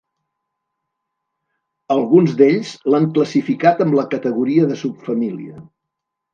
Alguns d'ells l'han classificat amb la categoria de subfamília.